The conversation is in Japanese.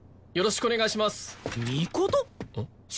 よろしくお願いします。